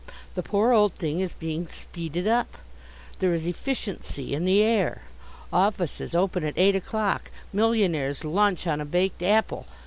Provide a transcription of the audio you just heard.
The poor old thing is being "speeded up." There is "efficiency" in the air. Offices open at eight o'clock. Millionaires lunch on a baked apple.